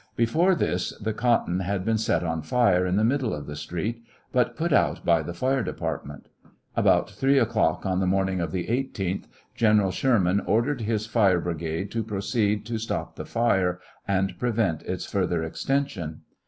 Before this the cot ton had been set on fire in the middle of the street, but put out by the flre department. About 3 o'clock, on the morning of the 18th, General Sherman ordered his fire brigade to proceed to stop the fire and prevent its fur ther extension.